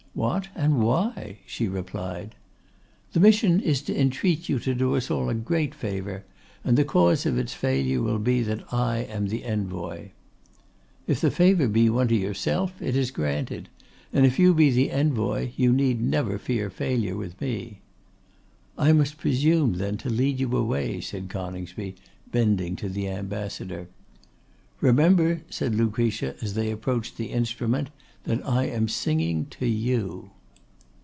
'What and why?' she replied. 'The mission is to entreat you to do us all a great favour; and the cause of its failure will be that I am the envoy.' 'If the favour be one to yourself, it is granted; and if you be the envoy, you need never fear failure with me.' 'I must presume then to lead you away,' said Coningsby, bending to the Ambassador. 'Remember,' said Lucretia, as they approached the instrument, 'that I am singing to you.